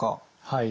はい。